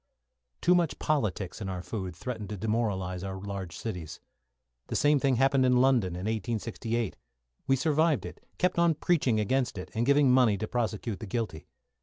Too much politics in our food threatened to demoralise our large cities. The same thing had happened in London, in 1868. We survived it, kept on preaching against it, and giving money to prosecute the guilty.